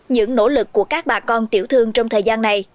những nỗ lực của các bà con tiểu thương trong thời gian này